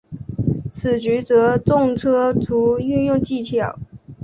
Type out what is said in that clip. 此局着重车卒运用技巧。